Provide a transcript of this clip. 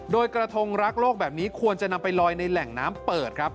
โดยกระทงรักโลกแบบนี้ควรจะนำไปลอยในแหล่งน้ำเปิดครับ